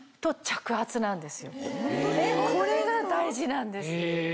これが大事なんです。